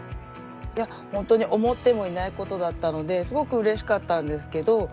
本当に思ってもいないことだったのですごくうれしかったんですけど。